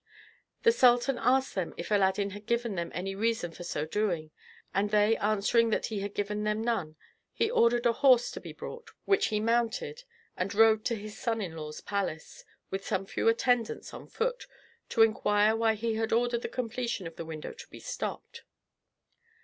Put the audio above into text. The sultan asked them if Aladdin had given them any reason for so doing, and they answering that he had given them none, he ordered a horse to be brought, which he mounted, and rode to his son in law's palace, with some few attendants on foot, to inquire why he had ordered the completion of the window to be stopped.